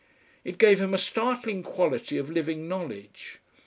It gave him a startling quality of living knowledge.